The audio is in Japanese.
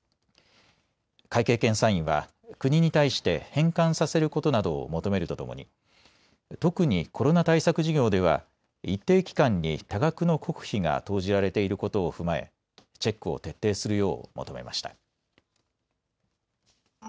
会計検査院は国に対して返還させることなどを求めるとともに特にコロナ対策事業では一定期間に多額の国費が投じられていることを踏まえチェックを徹底するよう求めました。